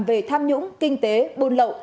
về tham nhũng kinh tế buôn lậu